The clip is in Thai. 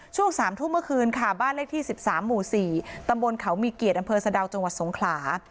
ช่วง๓ทุ่มเมื่อคืนค่ะบ้านเลขที่๑๓หมู่๔ตำบลเขามีเกียรติอำเภอสะดาวจังหวัดสงขลา